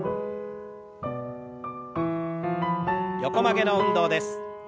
横曲げの運動です。